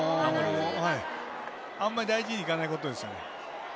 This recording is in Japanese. あまり大事にいかないことですね。